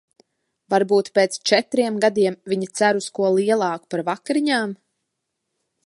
Varbūt pēc četriem gadiem viņa cer uz ko lielāku par vakariņām?